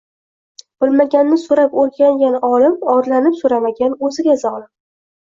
Bilmaganni so'rab o'rgangan olim, orlanib so'ramagan o'ziga zolim.